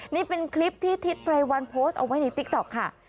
นี่เป็นคลิปที่ทิศไรวันโพสต์เอาไว้ในติ๊กต๊อกค่ะ